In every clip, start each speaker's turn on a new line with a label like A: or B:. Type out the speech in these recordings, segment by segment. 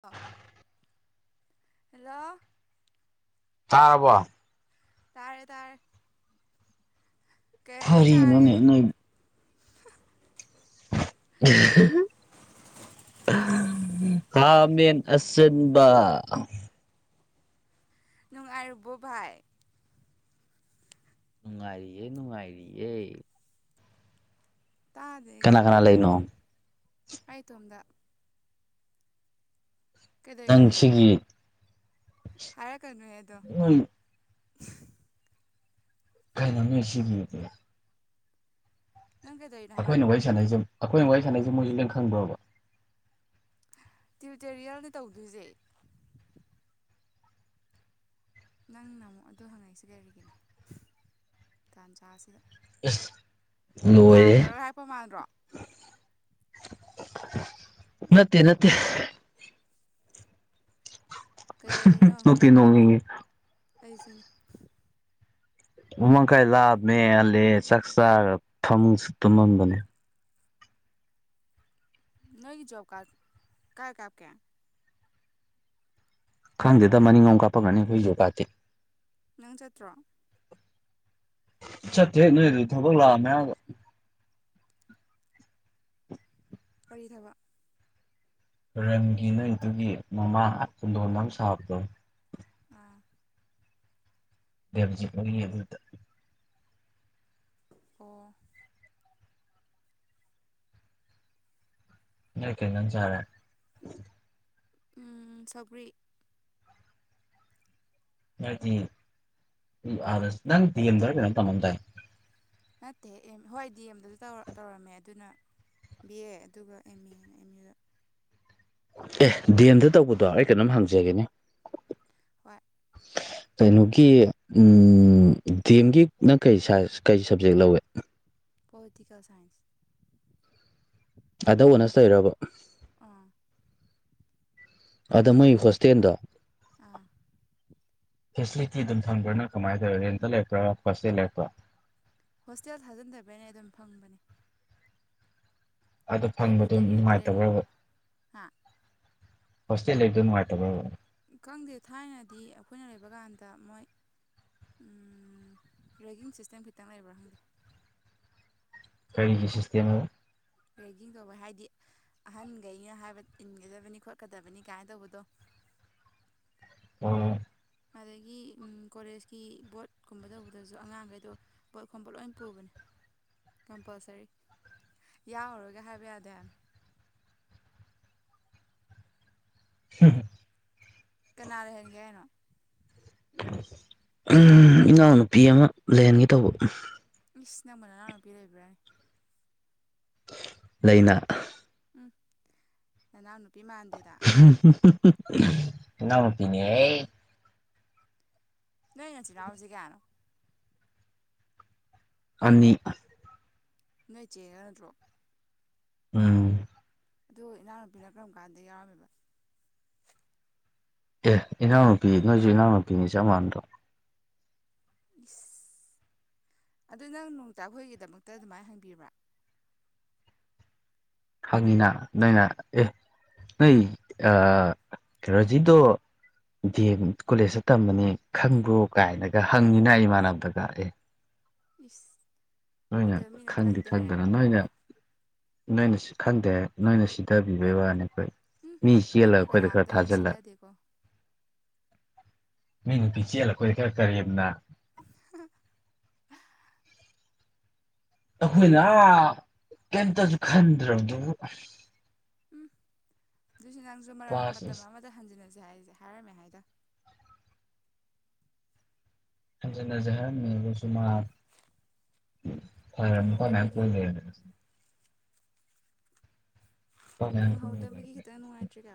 A: ꯋꯥ ꯍꯜꯂꯣ
B: ꯇꯥꯔꯕꯣ
A: ꯇꯥꯔꯦ ꯇꯥꯔꯦ ꯀꯩ ꯏꯟꯖꯥꯡ
B: ꯊꯔꯤ
A: ꯆꯥꯔꯒꯦ
B: ꯅꯣꯅꯦ ꯅꯣꯏ [inaudible]
A: ꯑꯁ
B: ꯈꯥꯃꯦꯟ ꯑꯁꯤꯟꯕ
A: ꯅꯨꯡꯉꯥꯏꯔꯤꯕꯣ ꯚꯥꯏ
B: ꯅꯨꯡꯉꯥꯏꯔꯤꯌꯦ ꯅꯨꯡꯉꯥꯏꯔꯤꯌꯦ
A: ꯇꯥꯗꯦ
B: ꯀꯅꯥ
A: ꯈꯔ
B: ꯀꯅꯥ
A: ꯈꯟꯅ
B: ꯂꯩꯅꯣ
A: ꯍꯥꯏꯌꯨꯅꯦ ꯑꯩ ꯏꯇꯣꯝꯗ ꯀꯩꯗꯧꯔꯤꯅꯣ ꯅꯪ ꯍꯥꯏꯔꯛꯀꯅꯨꯍꯦ ꯑꯗꯣ
B: ꯎꯝ ꯀꯩꯅꯣꯅꯦ ꯁꯤꯒꯤꯗ
A: ꯅꯪ ꯀꯩꯗꯧꯔꯤꯅꯣ ꯍꯥꯏꯕ
B: ꯑꯩꯈꯣꯏꯅ ꯋꯥꯔꯤ ꯁꯥꯟꯅꯩꯁꯦ ꯑꯩꯈꯣꯏꯅ ꯋꯥꯔꯤ ꯁꯥꯟꯅꯩꯁꯦ ꯃꯣꯏꯁꯦ ꯂꯪ ꯈꯪꯕꯔꯣꯕ
A: ꯇ꯭ꯌꯨꯇꯣꯔꯤꯌꯦꯜꯅꯤ ꯇꯧꯗꯣꯏꯁꯦ ꯅꯪꯅ ꯑꯃꯨꯛ ꯑꯗꯨ ꯍꯪꯉꯛꯏꯁꯤ ꯀꯔꯤꯒꯤꯅꯣ ꯇꯥꯟꯖꯥꯁꯤꯗ
B: ꯑꯦꯁ
A: ꯄ꯭ꯂꯥꯟ ꯇꯧꯔꯒ ꯍꯥꯏꯄ ꯃꯥꯟꯗ꯭ꯔꯣ
B: ꯅꯠꯇꯦ ꯅꯠꯇꯦ ꯅꯣꯛꯇꯤ ꯅꯣꯛꯅꯤꯡꯏ
A: ꯑꯩꯁꯨꯅꯤ
B: ꯎꯃꯥꯡ ꯀꯥꯏ ꯂꯥꯛꯑꯅꯦ ꯑꯂ ꯆꯥꯛ ꯆꯥ ꯐꯝꯁꯨ ꯇꯨꯝꯃꯝꯕꯅꯦ [unintelligible]
A: ꯅꯣꯏꯒꯤ ꯖꯣꯕ ꯀꯠ ꯀꯥꯏ ꯀꯥꯞꯀꯦ
B: ꯈꯪꯗꯦꯗ ꯃꯅꯤꯡꯂꯣꯝ ꯀꯥꯞꯄꯝꯒꯅꯤ
A: ꯅꯪ ꯆꯠꯇ꯭ꯔꯣ
B: ꯆꯠꯇ꯭ꯔꯦ ꯅꯣꯏ ꯑꯗꯨ ꯊꯕꯛ ꯂꯥꯛꯑꯃꯦ ꯍꯥꯏꯔꯒ
A: ꯀꯔꯤ ꯊꯕꯛ
B: ꯔꯪꯒꯤ ꯅꯣꯏꯗꯨꯒꯤ ꯃꯃꯥꯡ ꯈꯨꯟꯗꯣꯟꯗ ꯑꯃ ꯁꯥꯕꯣꯗꯣ
A: ꯑꯥ
B: ꯗꯦꯕꯖꯤꯠꯍꯣꯏꯒꯤ ꯑꯗꯨꯗ
A: ꯑꯣ
B: ꯅꯣꯏ ꯀꯩ ꯌꯦꯟꯖꯡ ꯆꯔꯦ
A: ꯎꯝ ꯁꯧꯒꯔ꯭ꯤ
B: [inaudible]
A: ꯅꯠꯇꯦ ꯑꯦꯝ ꯍꯣꯏ ꯗꯤ ꯑꯦꯝꯗꯁꯨ ꯇꯧꯔꯝꯃꯦ ꯑꯗꯨꯅ ꯕꯤ ꯑꯦ ꯑꯗꯨꯒ ꯑꯦꯝ ꯑꯦꯅ ꯑꯦꯝ ꯌꯨ
B: ꯑꯦ ꯗꯤ ꯑꯦꯝꯗ ꯇꯧꯕꯗꯣ ꯑꯩ ꯀꯩꯅꯣꯝ ꯍꯪꯖꯒꯦꯅꯦ
A: ꯍꯣꯏ
B: ꯀꯩꯅꯣꯒꯤ ꯗꯤ ꯑꯦꯝꯒꯤꯅ ꯀꯩꯥ ꯀꯔꯤ ꯁꯕꯖꯦꯛ ꯂꯧꯋꯦ
A: ꯄꯣꯂꯤꯇꯤꯀꯦꯜ ꯁꯥꯏꯟꯁ
B: ꯑꯗ ꯑꯣꯅꯁ ꯇꯧꯔꯤꯔꯕ
A: ꯑꯥ
B: ꯑꯗ ꯃꯣꯏ ꯍꯣꯁꯇꯦꯜꯗꯣ
A: ꯑꯥ
B: ꯐꯦꯁꯤꯂꯤꯇꯤ ꯑꯗꯨꯝ ꯐꯪꯕ꯭ꯔꯥꯅ ꯀꯃꯥꯏꯅ ꯇꯧꯋ ꯔꯦꯟꯇ ꯂꯩꯔꯛꯄ꯭ꯔꯥ ꯍꯣꯁꯇꯦꯜ ꯂꯩꯔꯛꯄ꯭ꯔꯥ
A: ꯍꯣꯁꯇꯦꯜ ꯊꯥꯖꯤꯟꯗꯕꯅ ꯑꯗꯨꯝ ꯐꯪꯕꯅꯤ
B: ꯑꯗꯨ ꯐꯪꯕꯗꯣ
A: ꯔꯦꯟꯇ ꯂꯩꯔꯛꯑꯦ
B: ꯅꯨꯡꯉꯥꯏꯇꯕ꯭ꯔꯕ
A: ꯍꯥ
B: ꯍꯣꯁꯇ꯭ꯦꯜ ꯂꯩꯗꯣ ꯅꯨꯡꯥꯏꯇꯕꯔꯥꯕ
A: ꯈꯪꯗꯦ ꯊꯥꯏꯅꯗꯤ ꯑꯩꯈꯣꯏꯅ ꯂꯩꯕ ꯀꯥꯟꯗ ꯃꯣꯏ ꯎꯝ ꯔꯦꯒꯤꯡ ꯁꯤꯁꯇꯦꯝ ꯈꯤꯇꯪ ꯂꯩꯕ꯭ꯔꯥ ꯈꯪꯗꯦ
B: ꯀꯔꯤꯒꯤ ꯁꯤꯁꯇꯦꯝ ꯑꯕꯥ
A: ꯔꯦꯀꯤꯡ ꯇꯧꯕ ꯍꯥꯏꯗꯤ ꯑꯍꯟꯈꯩꯅ ꯍꯥꯏꯕ ꯏꯟꯒꯗꯕꯅꯤ ꯈꯣꯠꯀꯗꯕꯅꯤ ꯀꯥꯏꯅ ꯇꯧꯕꯗꯣ
B: ꯑꯣ
A: ꯑꯗꯒꯤ ꯀꯣꯂꯦꯖꯀꯤ ꯕꯣꯠꯀꯨꯝꯕ ꯇꯧꯕꯗꯁꯨ ꯑꯉꯥꯡꯈꯩꯗꯣ ꯕꯣꯠ ꯈꯣꯝꯕ ꯂꯣꯏ ꯄꯨꯕꯅꯦ ꯀꯝꯄꯜꯁꯔꯤ ꯌꯥꯎꯔꯔꯣꯏꯒ ꯍꯥꯏꯕ ꯌꯥꯗꯦ ꯍꯥꯏꯃꯤ
B: ꯍꯝ
A: ꯀꯅꯥ ꯂꯩꯍꯟꯒꯦ ꯍꯥꯏꯅꯣ
B: ꯎꯝ ꯏꯅꯥꯎꯅꯨꯄꯤ ꯑꯃ ꯂꯩꯍꯟꯒꯦ ꯇꯧꯕ
A: ꯏꯁ ꯅꯪꯕꯨ ꯅꯥꯅꯥꯎꯅꯨꯄꯤ ꯂꯩꯕꯔꯅꯦ
B: ꯂꯩꯅꯥ
A: ꯎꯝ ꯅꯅꯥꯎꯅꯨꯄꯤ ꯕꯤꯃꯥꯟꯗꯦꯗ
B: ꯏꯅꯥꯎ ꯅꯨꯄꯤ ꯅꯦꯍꯦ
A: ꯅꯣꯏ ꯅꯆꯤꯟꯅꯥꯎꯖꯤ ꯀꯌꯥꯅꯣ
B: ꯑꯅꯤ
A: ꯅꯣꯏ ꯆꯦꯔꯥ ꯅꯠꯇ꯭ꯔꯣ
B: ꯎꯝ
A: ꯑꯗꯣ ꯏꯅꯥꯎꯅꯨꯄꯤꯅ ꯀꯔꯝ ꯀꯥꯟꯗ ꯌꯥꯎꯔꯝꯃꯤꯕ
B: ꯑꯦ ꯏꯅꯥꯎꯅꯨꯄꯤ ꯅꯣꯏꯁꯨ ꯏꯅꯥꯎꯅꯨꯄꯤꯅꯤ ꯆꯞ ꯃꯥꯟꯅꯗ꯭ꯔꯣ
A: ꯏꯁꯁ ꯑꯗꯨ ꯅꯪ ꯅꯣꯡꯇꯥꯛꯈꯣꯏꯒꯤꯗꯃꯛꯇ ꯑꯗꯨꯃꯥꯏꯅ ꯍꯪꯕꯤꯕ꯭ꯔꯥ
B: ꯍꯪꯉꯤꯅ ꯅꯣꯏꯅ ꯑꯦ ꯅꯣꯏ ꯔꯣꯖꯤꯠꯇꯣ ꯗꯤ ꯑꯦꯝ ꯀꯣꯂꯦꯖꯇ ꯇꯝꯕꯅꯤ ꯈꯪꯕ꯭ꯔꯣ ꯀꯥꯏꯅꯒ ꯍꯪꯉꯤꯅ ꯏꯃꯥꯟꯅꯕꯗꯒ ꯑꯦ
A: ꯏꯁ ꯑꯗꯣ
B: ꯅꯣꯏꯅꯦꯂ
A: ꯃꯤꯅ
B: ꯈꯟꯗꯤ
A: ꯈꯪꯗꯦ ꯍꯥꯏꯔꯦ
B: ꯈꯟꯗꯅ ꯅꯣꯏꯅꯦ ꯅꯣꯏꯅ ꯁꯤ ꯈꯪꯗꯦ ꯅꯣꯏꯅ ꯁꯤꯊꯕꯤꯕꯩ ꯋꯥꯅꯤ ꯍꯣꯏ
A: ꯎꯝ
B: ꯃꯤ ꯆꯦꯜꯂꯒ
A: ꯑꯩꯈꯣꯏ
B: ꯑꯩꯈꯣꯏꯗ
A: ꯀꯅꯥꯝꯇ
B: ꯈꯔ
A: ꯅꯪ
B: ꯊꯥꯖꯤꯜꯂꯛ
A: ꯁꯤꯗꯗꯦꯀꯣ
B: ꯃꯤ ꯅꯨꯄꯤ ꯆꯦꯜꯂꯒ ꯑꯩꯈꯣꯏ ꯈꯔ ꯀꯔꯦꯝꯅ
A: [inaudible]
B: ꯑꯩꯈꯣꯏꯅ ꯑꯥ ꯀꯩꯝꯇꯁꯨ ꯈꯟꯗ꯭ꯔꯕꯗꯨꯕꯨ
A: ꯎꯝ ꯑꯗꯨꯏꯁꯨ ꯅꯪꯁꯨ ꯃꯔꯛ
B: ꯀ꯭ꯂꯥꯁ
A: ꯃꯇꯝ ꯑꯃꯗ ꯍꯟꯖꯤꯟꯅꯁ ꯁꯦ ꯍꯥꯏꯁꯦ ꯍꯥꯏꯔꯝꯃꯦ ꯍꯥꯏꯗ
B: ꯍꯟꯖꯟꯅꯥꯖꯤ ꯍꯥꯏꯔꯝꯃꯤꯕ ꯑꯗꯨ ꯃꯥ ꯑꯣꯂꯥꯏ ꯑꯣꯟꯂꯥꯏꯟ
A: ꯐꯪꯍꯧꯗꯕꯒꯤ
B: ꯀꯨꯏꯅ ꯂꯩꯔꯝꯃꯤ ꯅꯨꯄꯥ ꯃꯌꯥꯝ ꯀꯣꯏ ꯂꯩꯔꯝꯃꯦ
A: ꯐꯪꯍꯧꯗꯕꯒꯤ ꯈꯤꯇꯪ ꯅꯨꯡꯉꯥꯏꯇ꯭ꯔꯤꯒ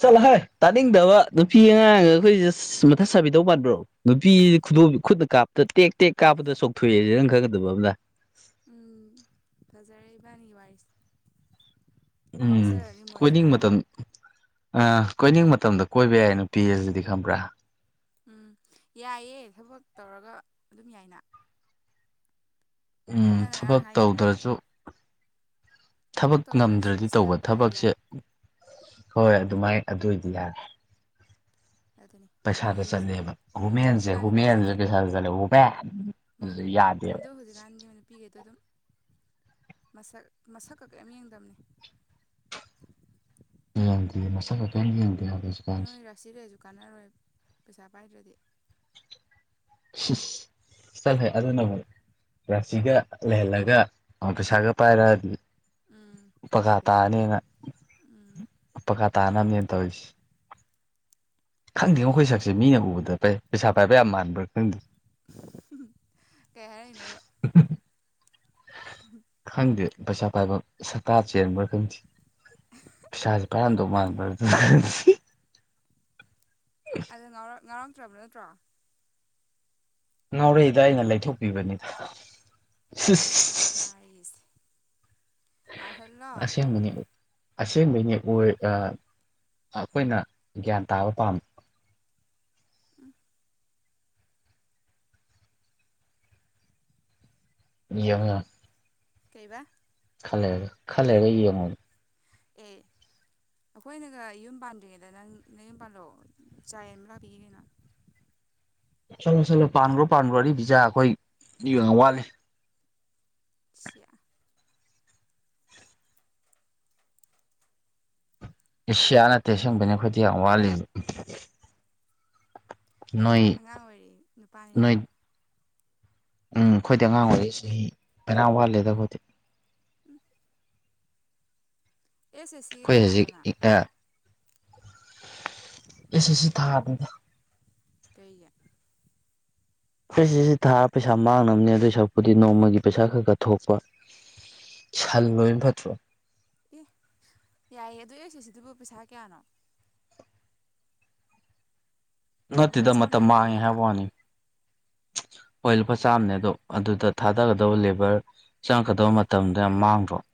B: ꯆꯠꯂ ꯍꯥꯏ ꯇꯥꯅꯤꯡꯗꯕ ꯅꯨꯄꯤ ꯑꯉꯥꯡ ꯑꯩꯈꯣꯏꯁꯦ ꯃꯊꯛ ꯁꯥꯕꯤꯗꯧ ꯄꯥꯟꯕ꯭ꯔꯣ ꯅꯨꯄꯤꯁꯤ ꯈꯨꯗꯣ ꯈꯨꯠꯇ ꯀꯥꯞꯄꯗ ꯇꯦꯛ ꯇꯦꯛ ꯀꯥꯞꯄꯗ ꯆꯣꯛꯊꯣꯛꯑꯦꯁꯦ ꯅꯪ ꯈꯪꯒꯗꯕ ꯑꯝꯗ
A: ꯢꯕꯅꯤꯒꯤ ꯋꯔꯤꯖꯦ
B: ꯎꯝ ꯀꯣꯏꯅꯤꯡ ꯃꯇꯝ ꯃꯇꯝ ꯑ ꯀꯣꯏꯅꯤꯡ ꯃꯇꯝꯗ ꯀꯣꯏꯕ ꯌꯥꯏ ꯅꯨꯄꯤ ꯑꯁꯤꯗꯤ ꯈꯪꯕ꯭ꯔꯥ
A: ꯎꯝ ꯌꯥꯏꯌꯦꯦ ꯊꯕꯛ ꯇꯧꯔꯒ ꯑꯗꯨꯝ ꯌꯥꯏꯅ
B: ꯎꯝ
A: ꯅꯪꯅ
B: ꯊꯕꯛ
A: ꯉꯔꯥꯡ ꯍꯥꯏꯈꯤꯗꯥꯏꯅꯦ
B: ꯇꯧꯗ꯭ꯔꯁꯨ ꯊꯕꯛ
A: ꯇꯧꯗ꯭ꯔꯁꯨ
B: ꯉꯝꯗ꯭ꯔꯗꯤ ꯇꯧꯕ
A: ꯁꯦꯜ ꯄꯥꯏꯔꯗꯤ
B: ꯊꯕꯛꯁꯦ
A: ꯌꯥꯔꯦ
B: ꯍꯣꯏ ꯑꯗꯨꯃꯥꯏ ꯑꯗꯨ ꯑꯣꯏꯗꯤ ꯌꯥꯔꯦ
A: ꯑꯗꯨꯅꯤ ꯅꯨꯄꯤ
B: ꯄꯩꯁꯥꯗ
A: ꯍꯧꯖꯤꯛ
B: ꯆꯠꯂꯦꯕ
A: ꯎꯝ
B: ꯋꯨꯃꯦꯟꯁꯦ
A: ꯍꯧꯖꯤꯛꯀꯥꯟ
B: ꯋꯨꯃꯦꯟꯁꯦ
A: ꯅꯨꯄꯤꯁꯤꯡꯁꯦ
B: ꯄꯩꯁꯥꯗ ꯆꯠꯂꯦ ꯋꯨꯃꯦꯟ
A: ꯃꯥꯅꯦ
B: ꯑꯗꯨꯁꯨ ꯌꯥꯗꯦꯕ
A: ꯑꯗꯣ ꯍꯧꯖꯤꯛꯀꯥꯟꯗꯤ ꯅꯨꯄꯤꯈꯩꯗꯣ ꯑꯗꯨꯝ ꯃꯁꯛ ꯃꯁꯛꯀ ꯀꯩꯝ ꯌꯦꯡꯗꯕꯅꯤ
B: ꯌꯦꯡꯗꯦ ꯃꯁꯛꯀ ꯀꯩꯝ ꯌꯦꯡꯗꯦ ꯍꯧꯖꯤꯛꯀꯥꯟꯁꯦ
A: ꯅꯣꯏ ꯔꯥꯁꯤ ꯂꯩ ꯔꯁꯨ ꯀꯥꯅꯔꯣꯏꯕ ꯄꯩꯁꯥ ꯄꯥꯏꯗ꯭ꯔꯗꯤ
B: ꯆꯠꯂꯍꯦ ꯑꯗꯨꯅ ꯑꯃꯨꯛ ꯔꯥꯁꯤꯒ ꯂꯩꯍꯜꯂꯒ ꯑꯃꯨꯛ ꯄꯩꯁꯥꯒ ꯄꯥꯏꯔꯛꯑꯗꯤ
A: ꯎꯝ ꯏꯃꯥ
B: ꯄꯀꯥ
A: ꯏꯄꯦꯝꯃ
B: ꯇꯥꯅꯦꯅ
A: ꯎꯝ
B: ꯄꯀꯥ ꯇꯥꯅꯕꯅꯦꯅ ꯇꯧꯔꯤꯁꯤ ꯈꯪꯗꯦꯉꯣ ꯈꯣꯏ ꯁꯛꯁꯦ
A: ꯑꯗꯒꯤꯗꯤ
B: ꯃꯤꯅ ꯎꯕꯗ ꯄꯩꯁꯥ ꯐꯥꯏꯕ ꯌꯥꯝ ꯃꯥꯟꯕ꯭ꯔꯥ ꯈꯪꯗꯦ
A: ꯀꯩ ꯍꯥꯏꯔꯛꯏꯅꯣꯕ
B: ꯈꯪꯗꯦ ꯄꯩꯁꯥ ꯄꯥꯏꯕ ꯁꯛꯇꯥ ꯆꯦꯟꯕ꯭ꯔꯥ ꯈꯪꯗꯦ ꯄꯩꯁꯥꯁꯦ ꯄꯥꯏꯔꯝꯗꯧ ꯃꯥꯟꯕ꯭ꯔꯥ
A: ꯑꯗ ꯉꯥ ꯉꯥꯎꯔꯝ ꯇ꯭ꯔꯕ ꯅꯠꯇ꯭ꯔꯣ
B: ꯉꯥꯎꯔꯛꯏꯗ ꯑꯩꯅ ꯂꯩꯊꯣꯛꯄꯤꯕꯅꯤꯗ
A: ꯏꯁ ꯋꯥꯔꯤꯁꯦ ꯃꯥꯜꯍꯜꯂꯣ
B: ꯑꯁꯦꯡꯕꯅꯤ ꯑꯁꯦꯡꯕꯩꯅꯦ ꯑꯣꯢ ꯑꯥ ꯑꯩꯈꯣꯏꯅ ꯒ꯭ꯌꯥꯟ ꯇꯥꯕ ꯄꯥꯝꯕ
A: ꯎꯝ
B: ꯌꯦꯡꯉꯨ ꯌꯦꯡꯉꯨ
A: ꯀꯩꯕꯥ
B: ꯈꯔ ꯂꯩꯔꯒ ꯈꯔ ꯂꯩꯔꯒ ꯌꯦꯡꯉꯣ [unintelligible]
A: ꯑꯦ ꯑꯩꯈꯣꯏꯅꯒ ꯌꯨꯝ ꯄꯥꯟꯗ꯭ꯔꯤꯉꯩꯗ ꯅꯪ ꯅꯌꯨꯝ ꯄꯥꯟꯂꯣ ꯆꯥ ꯌꯦꯟꯕ ꯂꯥꯛꯄꯤꯒꯦ ꯀꯩꯅꯣ
B: ꯆꯠꯂꯣ ꯆꯠꯂꯣ ꯄꯥꯟꯒ꯭ꯔꯣ ꯄꯥꯟꯒ꯭ꯔꯣ ꯑꯔꯤꯕꯤꯖꯥ ꯑꯩꯈꯣꯏ [unintelligible] ꯋꯤꯠꯂꯤ꯫
A: ꯁꯤꯌꯥ
B: [unintelligible] ꯑꯦ ꯁꯤꯌꯥ ꯅꯠꯇꯦ ꯑꯁꯦꯡꯕꯩꯅꯦ ꯑꯩꯈꯣꯏꯗꯤ ꯌꯥꯝ ꯋꯥꯠꯂꯤꯕ ꯅꯣꯏ
A: ꯑꯉꯥꯡ ꯑꯣꯏꯔꯤ ꯅꯨꯄꯥꯅꯤꯅ
B: ꯅꯣꯏ ꯎꯝ ꯈꯣꯏꯗꯤ ꯑꯉꯥꯡ ꯑꯣꯏꯔꯤ ꯆꯍꯤ ꯐꯅꯌꯥꯝ ꯋꯥꯠꯂꯤꯗ ꯈꯣꯏꯗꯤ
A: ꯎꯝ ꯑꯦꯁ ꯑꯦꯁ ꯁꯤ
B: ꯑꯩꯈꯣꯏ
A: ꯊꯥꯗ꯭ꯔꯣ
B: ꯍꯧꯖꯤꯛ
A: ꯅꯪ
B: [unintelligible] ꯑꯦꯁ ꯑꯦꯁ ꯁꯤ ꯊꯥꯗꯦꯗ
A: ꯀꯩꯒꯤ
B: ꯑꯦꯁ ꯑꯦꯁ ꯁꯤ ꯊꯥꯔ ꯄꯩꯁꯥ ꯃꯥꯡꯅꯕꯅꯦ ꯑꯗꯨꯏ ꯁꯔꯨꯛꯄꯨꯗꯤ ꯅꯣꯡꯃꯒꯤ ꯄꯩꯁꯥ ꯈꯔ ꯈꯔ ꯊꯣꯛꯄ ꯁꯟ ꯂꯣꯏꯕꯅ ꯐꯠꯇ꯭ꯔꯣ
A: ꯑꯦ ꯌꯥꯏꯌꯦ ꯑꯗꯨ ꯑꯦꯁ ꯑꯦꯁ ꯁꯤꯗꯨꯕꯨ ꯄꯩꯁꯥ ꯀꯌꯥꯅꯣ ꯂꯨꯄꯥ
B: ꯅꯠꯇꯦꯗ ꯃꯇꯝ
A: ꯆꯥꯝꯃꯇꯪ
B: ꯃꯥꯡꯉꯦ
A: ꯑꯣꯏꯔꯝꯅꯤꯗ
B: ꯍꯥꯏꯕ ꯋꯥꯅꯤ ꯍꯣꯏ ꯂꯨꯄꯥ ꯆꯥꯝꯃꯅꯦ ꯑꯗꯣ ꯑꯗꯨꯗ ꯊꯥꯗꯒꯗꯧꯕ ꯂꯦꯕꯔ ꯆꯪꯉꯀꯗꯕ
A: ꯑꯦ
B: ꯃꯇꯝꯗ ꯌꯥꯝ ꯃꯥꯡ [unintelligible]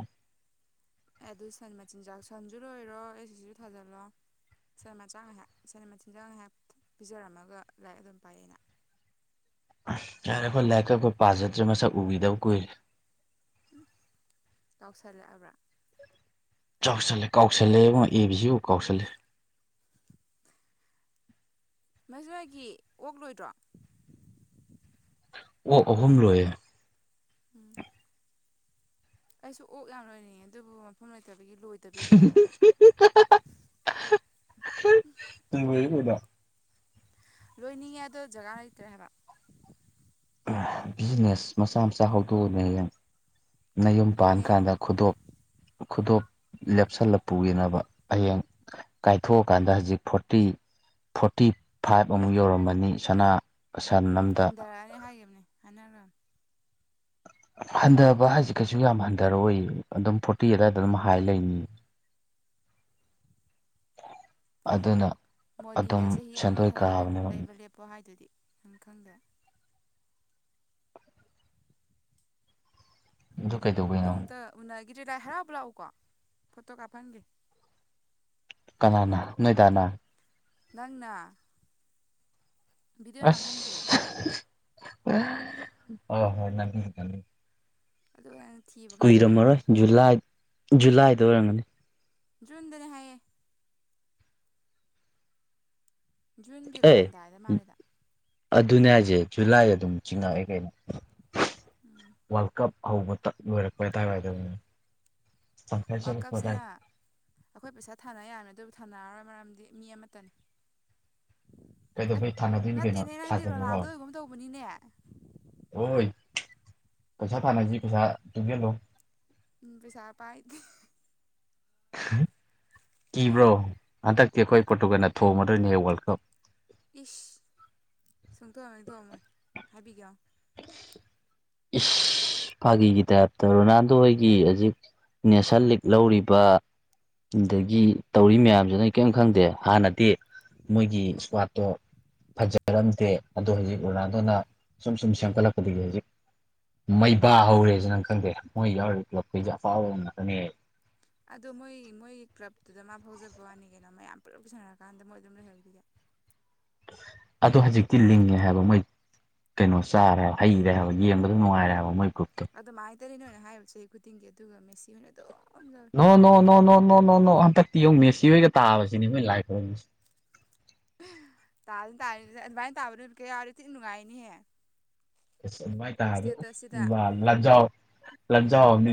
A: ꯑꯗꯨ ꯁꯟ ꯃꯆꯤꯟꯖꯥꯛ ꯁꯟꯖꯨ ꯂꯣꯏꯔꯣ ꯑꯦꯁ ꯑꯦꯁ ꯁꯤꯖꯨ ꯊ ꯊꯥꯖꯜꯂꯣ ꯁꯟ ꯃꯆꯥꯥꯛ ꯉꯥꯏꯍꯥꯛ ꯁꯟ ꯃꯆꯤꯟꯖꯥꯛ ꯉꯥꯏꯍꯥꯛ ꯄꯤꯖꯔꯝꯃꯒ ꯂꯥꯏꯔꯤꯛ ꯑꯗꯨꯝ ꯄꯥ ꯌꯥꯏꯅ꯫
B: [unintelligible] ꯌꯥꯔꯦꯈꯣꯏ ꯂꯥꯏꯔꯤꯛꯀ ꯑꯩꯈꯣꯏ ꯄꯥꯖꯗ꯭ꯔꯦ ꯃꯁꯛ ꯎꯒꯤꯗꯕ ꯀꯨꯏꯔꯦ꯫
A: ꯎꯝ ꯀꯥꯎꯁꯜꯂꯛꯑꯕ꯭ꯔꯥ꯫
B: ꯆꯥꯎꯁꯜꯂꯦ ꯀꯥꯎꯁꯜꯂꯛꯑꯉꯣ ꯑꯦ ꯕꯤ ꯁꯤꯕꯨꯛ ꯀꯥꯎꯁꯜꯂꯦ꯫
A: ꯃꯖꯋꯥꯏꯒꯤ ꯑꯣꯛ ꯂꯣꯏꯗ꯭ꯔꯣ꯫
B: ꯑꯣꯛ ꯑꯍꯨꯝ ꯂꯣꯏꯌꯦ꯫
A: ꯎꯝ꯫ ꯑꯩꯁꯨ ꯑꯣꯛ ꯌꯥꯝ ꯂꯣꯏꯅꯤꯡꯉꯤ ꯑꯗꯨꯕꯨ ꯃꯐꯝ ꯂꯩ ꯂꯩꯇꯕꯒꯤ ꯂꯣꯏꯗꯕꯤ ꯂꯩꯔꯦ꯫
B: [unintelligible]
A: ꯂꯣꯏꯅꯤꯡꯉꯦ ꯑꯗꯣ ꯖꯒꯥ ꯂꯩꯇ꯭ꯔꯦ ꯍꯥꯏꯕ꯫
B: [unintelligible] ꯕꯤꯖꯤꯅꯦꯁ ꯃꯆꯥ ꯃꯆꯥ ꯍꯧꯗꯣꯛꯑꯅꯦꯌꯦ꯫ ꯅꯌꯨꯝ ꯄꯥꯟ
A: ꯑꯗꯨꯅꯦ
B: ꯀꯥꯟꯗ ꯈꯨꯗꯣꯞ ꯈꯨꯗꯣꯞ ꯂꯦꯞꯁꯜꯂ ꯄꯨꯒꯤꯅꯕ꯫ ꯍꯌꯦꯡ ꯀꯥꯏꯊꯣꯛꯑꯀꯥꯟꯗ ꯍꯧꯖꯤꯛ ꯐꯣꯔꯇꯤ ꯐꯣꯔꯇꯤ ꯐꯥꯏꯚ ꯑꯃꯨꯛ ꯌꯧꯔꯝꯃꯅꯤ ꯁꯅꯥ꯫ ꯑ ꯁꯟ ꯑꯝꯗ꯫
A: ꯍꯥꯏꯅꯒ꯭ꯔꯃꯤ꯫
B: ꯍꯟꯗꯕ ꯍꯥꯏꯖꯦ ꯀꯩꯁꯨ ꯌꯥꯝ ꯍꯟꯊꯔꯛꯑꯣꯏ ꯑꯗꯨꯝ ꯐꯣꯔꯇꯤ ꯑꯗꯨꯏꯗ ꯑꯗꯨꯝ ꯍꯥꯏ ꯂꯩꯅꯤ ꯑꯗꯨꯅ꯫
A: ꯃꯣꯗꯤꯅ
B: ꯑꯗꯨꯝ
A: ꯆꯍꯤ ꯑꯃ
B: ꯁꯦꯟꯗꯣꯏ
A: ꯊꯅꯥ
B: ꯀꯥꯕꯅꯦꯕ
A: ꯂꯩꯕ ꯂꯦꯞꯄꯣ ꯍꯥꯏꯗꯨꯗꯤ ꯏꯪꯈꯥꯡꯗ
B: ꯑꯗꯨ ꯀꯩꯗꯧꯕꯩꯅꯣ
A: ꯅꯣꯡꯇ ꯑꯣ ꯒꯤꯇꯦ ꯂꯥꯏ ꯍꯔꯥꯎꯕ ꯂꯥꯛꯎꯀꯣ ꯐꯣꯇꯣ ꯀꯥꯞꯍꯟꯒꯦ
B: ꯀꯅꯥꯅ ꯅꯣꯏꯗꯅ
A: ꯅꯪꯅ ꯚꯤꯗꯤꯑꯣ ꯅꯝꯍꯟꯒꯦ
B: ꯑꯁ ꯍ ꯍ ꯅꯅꯤ ꯀꯅꯤ
A: ꯑꯗꯨ
B: ꯀꯨꯏꯔꯝꯃꯔꯣꯏ ꯖꯨꯂꯥꯏ ꯖꯨꯂꯥꯏꯗ ꯑꯣꯏꯔꯝꯒꯅꯤ
A: ꯣꯟꯗꯅ ꯍꯥꯏꯌꯦ ꯖꯨꯟꯒꯤ
B: ꯑꯦ
A: ꯂꯣꯏꯔꯝꯗꯥꯏꯗ ꯃꯥꯜꯂꯤꯦꯗ
B: ꯑꯗꯨꯅꯦ ꯍꯥꯏꯁꯦ ꯖꯨꯂꯥꯏ ꯑꯗꯨꯝ ꯆꯤꯡꯉꯛꯑꯦ ꯀꯩꯅꯣ
A: ꯎꯝ
B: ꯋꯥꯔꯜ ꯀꯞ ꯍꯧꯕꯇ ꯂꯣꯏꯔꯛꯄ ꯑꯗꯨꯗꯥꯏꯋꯥꯏꯗꯅꯤ
A: ꯋꯥꯔ ꯀꯞꯁꯤꯅ ꯑꯩꯈꯣꯏ ꯄꯩꯁꯥ ꯊꯥꯅ ꯌꯥꯕꯅꯦ ꯑꯗꯨꯕꯨ ꯊꯥꯅꯔꯔꯣꯏ ꯃꯔꯝꯗꯤ ꯃꯤ ꯑꯃꯠꯇꯅꯤ
B: ꯀ ꯀꯩꯗꯣ
A: ꯑꯦ
B: ꯐꯩ ꯊꯅꯗꯤꯒꯩꯅꯣ
A: ꯅꯠꯇꯦꯅꯦ ꯅꯪꯗꯤ
B: ꯊꯖꯕꯣ
A: ꯔꯣꯅꯥꯜꯗꯣꯒꯨꯝ ꯇꯧꯕꯅꯤꯅꯦ
B: ꯍꯣꯏ ꯀꯁꯥ ꯊꯥꯅꯥꯁꯤ ꯀꯁꯥ ꯇꯨ ꯦꯂꯣ
A: ꯏ ꯄꯁ ꯄꯥꯏꯗꯤꯦ
B: ꯍꯥ ꯀꯕ꯭ꯔꯣ ꯍꯟꯗꯛꯇꯤ ꯑꯈꯣꯏ ꯄꯣꯔꯇꯨꯒꯜꯅ ꯊꯣꯡꯝꯃꯗꯣꯏꯅꯤꯍꯦ ꯋꯥ꯭ꯔꯜ ꯀꯞ꯫
A: ꯏꯁ ꯁꯨꯡꯊꯣꯝ ꯍꯦꯛ ꯊꯣꯝꯃꯣꯏ ꯍꯥꯏꯕꯤꯒꯦ ꯌꯦꯡꯉꯨ꯫
B: ꯏꯁ ꯐꯥꯒꯤꯒꯤ ꯇꯥꯏꯞꯇ ꯔꯣꯅꯥꯜꯗꯣ ꯍꯣꯏꯒꯤ ꯍꯧꯖꯤꯛ ꯅꯦꯁꯟ ꯂꯤꯛ ꯂꯧꯔꯤꯕ ꯑꯗꯒꯤ ꯇꯧꯔꯤ ꯃꯌꯥꯝꯁꯦ ꯅꯣꯏ ꯀꯔꯤꯝ ꯈꯪꯗꯦ ꯍꯥꯟꯅꯗꯤ ꯃꯣꯏꯒꯤ ꯁ꯭ꯀ꯭ꯋꯥꯠꯇꯣ ꯐꯖꯔꯝꯗꯦ ꯑꯗꯣ ꯍꯧꯖꯤꯛ ꯔꯣꯅꯥꯜꯗꯣꯅ ꯁꯨꯝ ꯁꯨꯝ ꯁꯦꯝꯒꯠꯂꯛꯄꯗꯒꯤ ꯍꯧꯖꯤꯛ ꯃꯩꯕꯥ ꯍꯧꯔꯦꯁꯦ ꯅꯪ ꯈꯪꯗꯦ ꯃꯣꯏ ꯌꯥꯎꯔꯤꯕ ꯀ꯭ꯂꯕꯈꯩꯁꯦ ꯑꯐꯥꯎꯕ ꯉꯥꯛꯇꯅꯦ꯫
A: ꯑꯗꯣ ꯃꯣꯏ ꯃꯣꯏꯒꯤ ꯀ꯭ꯂꯞꯇꯨꯗ ꯃꯥ ꯐꯥꯎꯖꯕ ꯋꯥꯅꯤ ꯀꯩꯅꯣ ꯃꯌꯥꯝ ꯄꯨꯂꯞ ꯄꯨꯁꯤꯟꯅꯔꯀꯥꯟꯗ ꯃꯣꯏ ꯑꯗꯨꯝ ꯂꯩꯍꯧꯔꯤꯗꯨꯗꯤ꯫
B: ꯑꯗꯣ ꯍꯧꯖꯤꯛꯇꯤ ꯂꯤꯡꯉꯦ ꯍꯥꯏꯕ ꯃꯣꯏ ꯀꯩꯅꯣ ꯆꯥꯔꯦ ꯍꯥꯏꯕ ꯍꯩꯔꯦ ꯍꯥꯏꯕ ꯌꯦꯡꯕꯗꯣ ꯅꯨꯡꯉꯥꯏꯔꯦ ꯍꯥꯏꯕ ꯃꯣꯏ ꯒ꯭ꯔꯨꯞꯇꯣ
A: ꯑꯗꯨ ꯃꯥꯥꯏ ꯇꯅꯤ ꯅꯣꯏꯅ ꯍꯥꯏꯔꯤꯕ ꯆꯍꯤ ꯈꯨꯗꯤꯡꯒꯤ ꯑꯗꯨꯒ ꯃꯦꯁꯤ ꯍꯣꯏꯅ ꯗꯨꯝ
B: ꯅꯣ ꯅꯣ ꯅꯣ ꯅꯣ ꯅꯣ ꯅꯣꯅꯣ ꯍꯟ ꯍꯟꯗꯛꯇꯤ ꯌꯦꯡꯉꯨ ꯃꯦꯁꯤ ꯍꯣꯏꯒ ꯇꯥꯕꯁꯤꯅꯤ ꯈꯣꯏꯅ ꯂꯥꯏ ꯈꯨꯔꯨꯝꯃꯤꯁꯦ꯫
A: ꯇꯥꯅꯤ ꯇꯥꯅꯤꯁꯦ ꯑꯗꯨꯃꯥꯏꯅ ꯇꯥꯕ ꯅꯨꯃꯤꯠꯀ ꯌꯥꯎꯔꯗꯤ ꯊꯤ ꯅꯨꯡꯉꯥꯏꯅꯤꯍꯦ꯫
B: ꯏꯖ ꯑꯗꯨꯃꯥꯏ ꯇꯥꯔꯗꯤ ꯎꯞ
A: ꯏꯁꯇꯦꯇꯁꯁꯤꯗ
B: ꯂꯖꯥꯎ ꯂꯖꯥꯎ ꯑꯝꯅꯤ꯫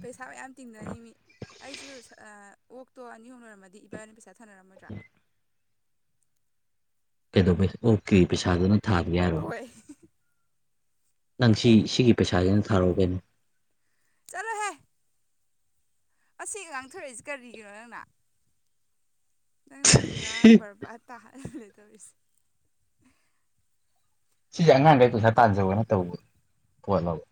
A: ꯄꯩꯁꯥ ꯃꯌꯥꯝ ꯇꯤꯡꯅꯅꯤ ꯃꯥ ꯑꯩꯁꯨꯁ ꯑꯣꯛꯇꯣ ꯑꯅꯤ ꯑꯍꯨꯝ ꯂꯣꯏꯔꯝꯃꯗꯤ ꯏꯕꯅꯤ ꯄꯩꯁꯥ ꯇꯨ ꯁꯥꯟꯅꯔꯝꯃꯗ꯭ꯔꯥ꯫
B: ꯀꯩꯗꯧꯕꯩ ꯑꯣꯀꯦ ꯄꯩꯁꯥꯗꯨꯅ ꯊꯥꯕꯤ
A: ꯍꯣꯏ
B: ꯅꯪꯁꯤ ꯁꯤꯒꯤ ꯄꯩꯁꯥꯅ ꯊꯥꯔꯛꯑꯣ ꯀꯩꯅꯣ
A: ꯑꯁꯤꯒ ꯉꯥꯡꯊꯣꯔꯛꯏꯁꯤ ꯀꯔꯤꯒꯤꯅꯣ ꯅꯪꯅ꯫ ꯅꯪꯅ ꯄꯨꯔꯥ ꯕꯔꯕꯥꯠ ꯇꯥꯍꯜꯂꯦ꯫ ꯇꯧꯔꯤꯁꯦ
B: ꯁꯤꯁꯦ ꯑꯉꯥꯡꯈꯩ ꯄꯩꯁꯥ ꯇꯥꯟꯖꯧꯅ ꯇꯧꯕ ꯄꯣꯠꯂꯕ꯫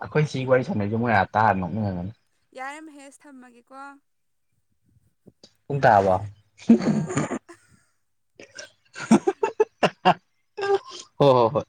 B: ꯑꯩꯈꯣꯏ ꯁꯤ ꯋꯥꯔꯤ ꯁꯥꯟꯅꯩꯁꯦ ꯃꯣꯏ ꯑ ꯇꯥꯔ ꯅꯣꯛꯅꯤꯡꯉꯝꯒꯅꯤ꯫
A: ꯌꯥꯔꯦ ꯃꯍꯦꯁ ꯊꯝꯃꯒꯦꯀꯣ꯫
B: ꯄꯨꯡ ꯇꯔꯕꯣ ꯍ
A: ꯑꯥ
B: ꯍꯣ ꯍꯣꯏ